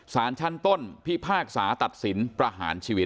สารชั้นต้นพิพากษาตัดสินประหารชีวิต